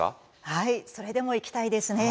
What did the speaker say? はいそれでも行きたいですね。